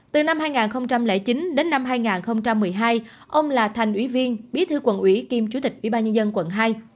từ năm hai nghìn chín đến năm hai nghìn một mươi hai ông là thành ủy viên bí thư quận ủy kiêm chủ tịch ủy ban nhân dân quận hai